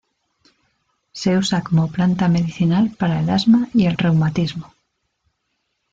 Se usa como planta medicinal para el asma y el reumatismo.